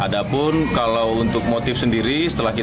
karena tadi mau dihianati